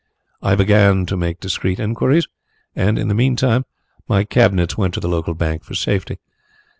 I began to make discreet inquiries and in the meantime my cabinets went to the local bank for safety.